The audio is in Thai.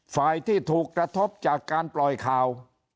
ฝ่ายที่ถูกกระทบจากการปล่อยข่าว